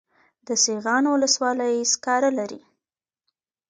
د سیغان ولسوالۍ سکاره لري